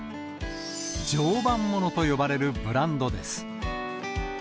常磐ものと呼ばれるブランドです。